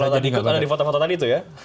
kalau tadi ikut ada di foto foto tadi itu ya